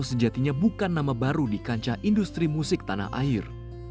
sejatinya bukan nama baru di kancah industri musik tanah air